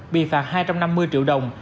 bị phạt hai trăm năm mươi triệu đồng